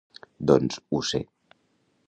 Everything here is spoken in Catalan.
—Doncs ho sé.